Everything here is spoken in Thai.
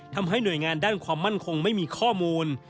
ทำให้หน่วยงานด้านความมั่นคงไม่มีข้อมูล